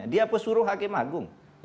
sebenarnya pesuruh hakim agung